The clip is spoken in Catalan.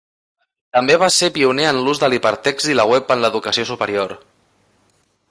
També va ser pioner en l'ús de l'hipertext i la web en l'educació superior.